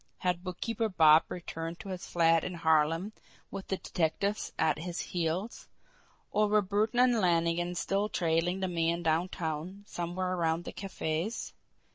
Had Bookkeeper Bob returned to his flat in Harlem with the detectives at his heels or were Burton and Lannigan still trailing the man downtown somewhere around the cafe's?